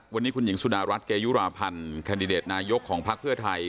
วันนี้คุณหญิงสุดารัฐเกยุราพันธ์แคนดิเดตนายกของพักเพื่อไทย